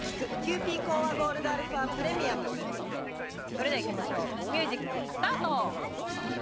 それではいきましょうミュージックスタート。